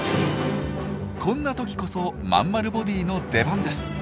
こんな時こそまんまるボディーの出番です。